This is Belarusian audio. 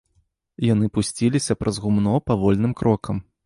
Яны пусціліся праз гумно павольным крокам.